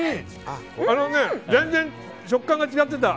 あのね、全然食感が違ってた。